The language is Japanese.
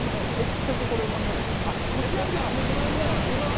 結局これうまくないですか？